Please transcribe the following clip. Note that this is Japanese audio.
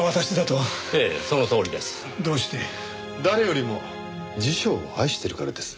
誰よりも辞書を愛してるからです。